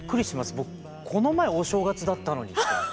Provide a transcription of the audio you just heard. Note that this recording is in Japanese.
僕この前お正月だったのにと思って。